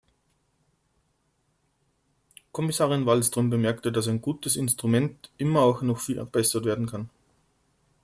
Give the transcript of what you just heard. Kommissarin Wallström bemerkte, dass ein gutes Instrument immer auch noch verbessert werden kann.